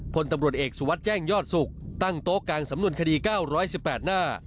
พลตำรวจเอกสุวัสดิ์แจ้งยอดสุขตั้งโต๊ะกลางสำนวนคดี๙๑๘หน้า